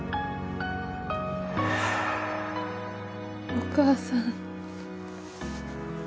お母さん。